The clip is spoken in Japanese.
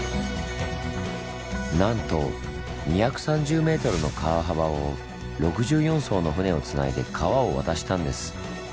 なんと２３０ｍの川幅を６４艘の船をつないで川を渡したんです。